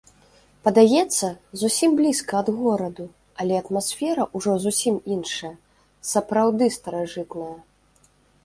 Падаецца, зусім блізка ад гораду, але атмасфера ўжо зусім іншая, сапраўды старажытная!